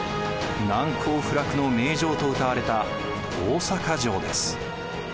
難攻不落の名城とうたわれた大坂城です。